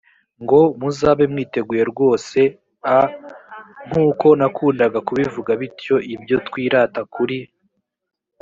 ngo muzabe mwiteguye rwose a nk uko nakundaga kubivuga bityo ibyo twirata kuri